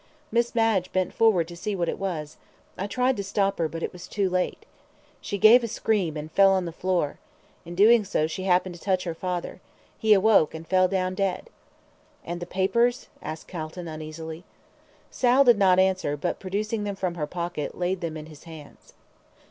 Miss Madge bent forward to see what it was. I tried to stop her, but it was too late. She gave a scream, and fell on the floor. In doing so she happened to touch her father. He awoke, and fell down dead." "And the papers?" asked Calton, uneasily. Sal did not answer, but producing them from her pocket, laid them in his hands.